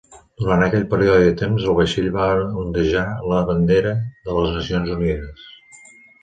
Durant aquell període de temps, el vaixell va ondejar la bandera de les Nacions Unides.